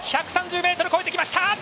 １３０ｍ越えてきました！